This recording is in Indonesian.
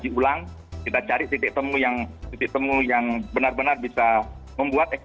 diulang kita cari titik temu yang titik temu yang benar benar bisa membuat